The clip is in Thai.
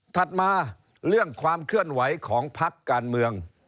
มาเรื่องความเคลื่อนไหวของพักการเมือง